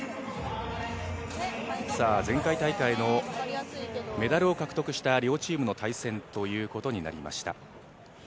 前回大会のメダルを獲得した両チームの対戦になりました。